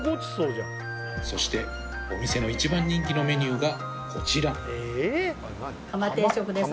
そしてお店の一番人気のメニューがこちらカマ定食です